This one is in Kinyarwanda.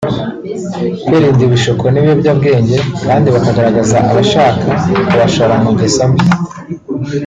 kwirinda ibishuko n’ibiyobyabwenge kandi bakagaragaza abashaka kubashora mu ngeso mbi